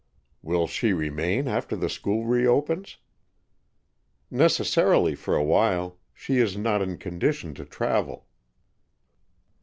"Will she remain after the school reopens?" "Necessarily, for awhile. She is not in condition to travel."